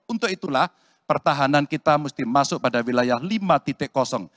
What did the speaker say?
untuk itulah pertahanan kita mesti masuk pada wilayah lima titik kosong